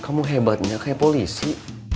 kamu hebatnya kayak polisi